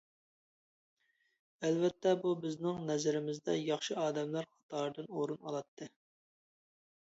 ئەلۋەتتە ئۇ بىزنىڭ نەزىرىمىزدە ياخشى ئادەملەر قاتارىدىن ئۇرۇن ئالاتتى.